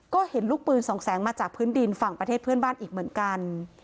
ก็เห็นลูกปืนสองแสงมาจากพื้นดินฝั่งประเทศเพื่อนบ้านอีกเหมือนกัน